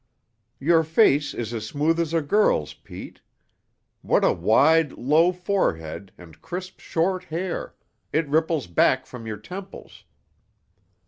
"Your face is as smooth as a girl's, Pete. What a wide, low forehead and crisp, short hair; it ripples back from your temples.